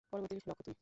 পরবর্তী লক্ষ্য তুই!